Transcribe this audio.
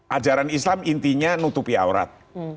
ajaran islam intinya nutupi aurat